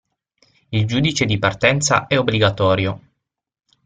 Il giudice di partenza è obbligatorio.